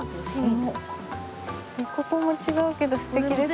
ここも違うけど素敵ですね。